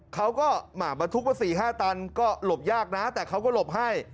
เขาก็มาบรรทุกมา๔๕ตันก็หลบยากนะแต่เขาก็หลบให้